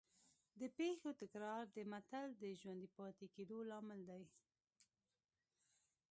د پېښو تکرار د متل د ژوندي پاتې کېدو لامل دی